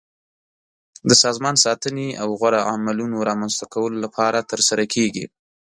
د سازمان ساتنې او غوره عملونو رامنځته کولو لپاره ترسره کیږي.